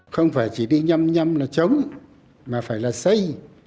không phải chỉ đi nhăm nhâm là chống mà phải là xây